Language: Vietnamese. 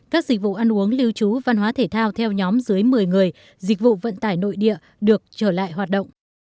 các dịch vụ ăn uống lưu trú văn hóa thể thao theo nhóm dưới một mươi người dịch vụ vận tải nội địa được trở lại hoạt động